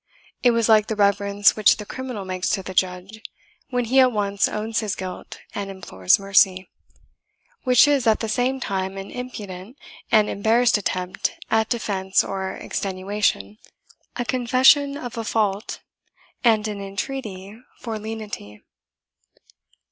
It was like the reverence which the criminal makes to the judge, when he at once owns his guilt and implores mercy which is at the same time an impudent and embarrassed attempt at defence or extenuation, a confession of a fault, and an entreaty for lenity.